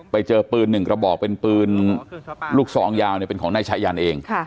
ไปเจอปืนหนึ่งกระบอกเป็นปืนลูกซองยาวเป็นของนายชายันเอง